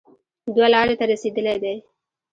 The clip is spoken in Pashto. دوه لارې ته رسېدلی دی